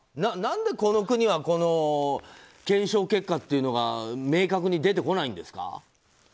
何で、この国は検証結果というのが明確に出てこないんですか？